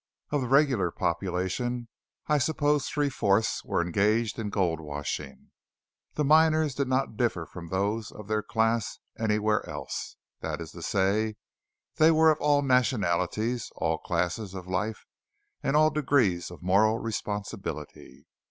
Of the regular population I suppose three fourths were engaged in gold washing. The miners did not differ from those of their class anywhere else; that is to say, they were of all nationalities, all classes of life, and all degrees of moral responsibility.